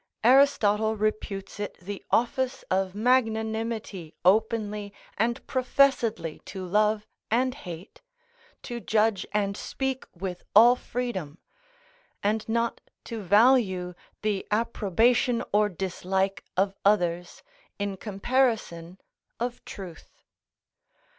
Aristotle reputes it the office of magnanimity openly and professedly to love and hate; to judge and speak with all freedom; and not to value the approbation or dislike of others in comparison of truth.